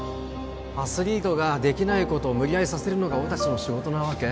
アスリートができないことを無理やりさせるのが俺達の仕事なわけ？